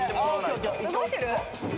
動いてる？